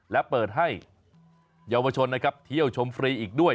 และเปิดให้เยาวชนนะครับเที่ยวชมฟรีอีกด้วย